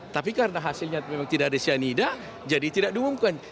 tapi karena hasilnya memang tidak ada cyanida jadi tidak diumumkan